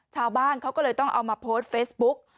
ชาวบ้านเขาก็เลยต้องเอามาโพสต์เฟซบุ๊ก